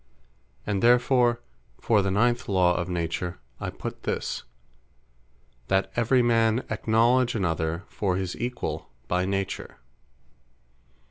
And therefore for the ninth Law of Nature, I put this, "That every man acknowledge other for his Equall by Nature."